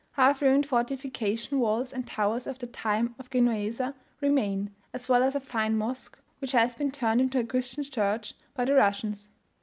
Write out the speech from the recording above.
Half ruined fortification walls and towers of the time of Genueser remain, as well as a fine mosque, which has been turned into a Christian church by the Russians.